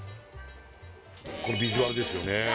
このビジュアルですよね